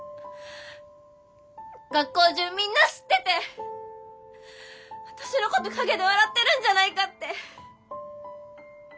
学校中みんな知ってて私のこと陰で笑ってるんじゃないかって。